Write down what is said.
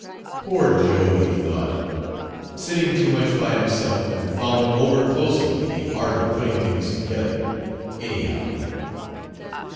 "Poor Joe!" he thought; "sitting too much by himself and following over closely the art of putting things together anyhow!"